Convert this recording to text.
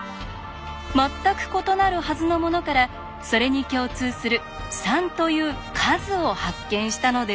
全く異なるはずのものからそれに共通する「３」という「数」を発見したのです。